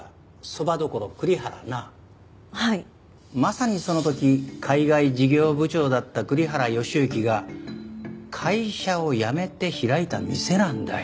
まさにその時海外事業部長だった栗原善行が会社を辞めて開いた店なんだよ。